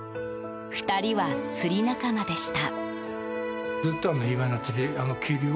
２人は釣り仲間でした。